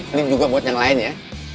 ini juga buat yang lain ya